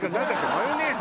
マヨネーズ。